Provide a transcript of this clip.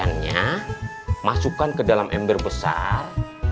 bahannya masukkan ke dalam ember besar